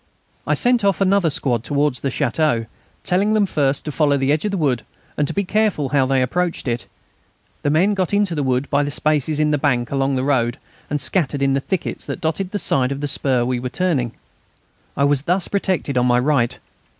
I sent off another squad towards the château, telling them first to follow the edge of the wood and to be careful how they approached it. The men got into the wood by the spaces in the bank along the road and scattered in the thickets that dotted the side of the spur we were turning. I was thus protected on my right.